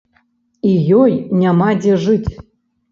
І ёй няма дзе жыць.